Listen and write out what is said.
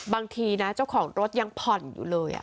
บางทีนะเจ้าของรถยังผ่อนอยู่เลย